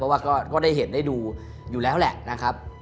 ว่าก็ได้เห็นได้ดูอยู่แล้วแหละนะครับ